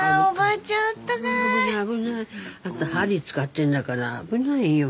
あんた針使ってんだから危ないよ。